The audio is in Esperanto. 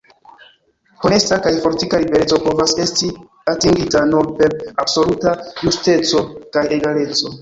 Honesta kaj fortika libereco povas esti atingita nur per absoluta justeco kaj egaleco.